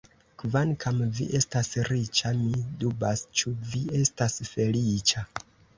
Kvankam vi estas riĉa, mi dubas, ĉu vi estas feliĉa.